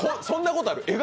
そんなことある？